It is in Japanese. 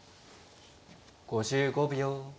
５５秒。